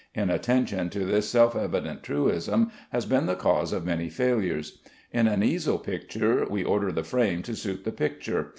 Inattention to this self evident truism has been the cause of many failures. In an easel picture we order the frame to suit the picture.